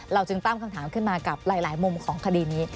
จึงตั้งคำถามขึ้นมากับหลายมุมของคดีนี้